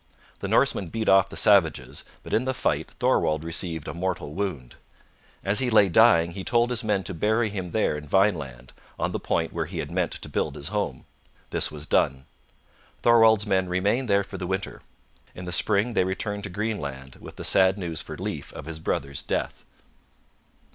The Norsemen beat off the savages, but in the fight Thorwald received a mortal wound. As he lay dying he told his men to bury him there in Vineland, on the point where he had meant to build his home. This was done. Thorwald's men remained there for the winter. In the spring they returned to Greenland, with the sad news for Leif of his brother's death.